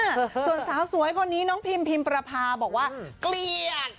ส่วนสาวสวยคนนี้น้องพิมพิมประพาบอกว่าเกลียด